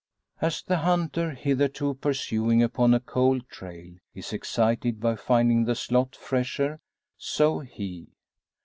As the hunter, hitherto pursuing upon a cold trail, is excited by finding the slot fresher, so he.